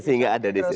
sehingga ada di sini